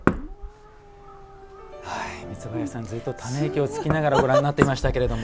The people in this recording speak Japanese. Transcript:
三林さん、ずっとため息をつきながらご覧になっていましたけど。